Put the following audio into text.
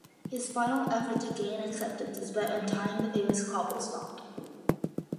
His final effort to gain acceptance is by untying the famous Cobble's Knot.